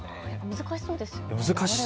難しそうですよね。